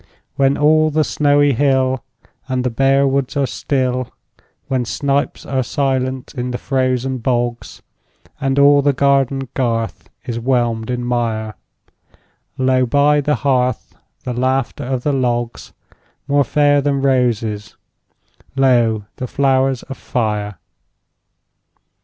When all the snowy hill And the bare woods are still; When snipes are silent in the frozen bogs, And all the garden garth is whelmed in mire, Lo, by the hearth, the laughter of the logs— More fair than roses, lo, the flowers of fire!